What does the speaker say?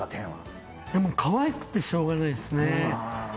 もうかわいくてしょうがないですね。